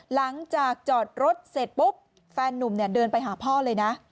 หลังจากจอดรถเสร็จปุ๊บแฟนนุ่มเนี่ยเดินไปหาพ่อเลยนะ